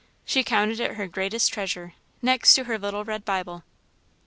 She counted it her greatest treasure, next to her little red Bible.